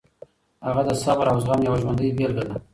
هغه د صبر او زغم یوه ژوندۍ بېلګه ده.